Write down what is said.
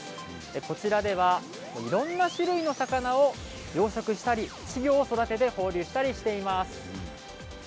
こちらではいろいろな種類の魚を養殖したり地域を育てて放流したりしています。